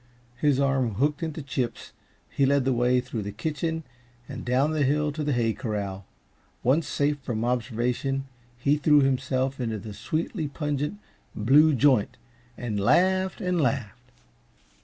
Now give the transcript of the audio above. His arm hooked into Chip's, he led the way through the kitchen and down the hill to the hay corral. Once safe from observation, he threw himself into the sweetly pungent "blue joint" and laughed and laughed.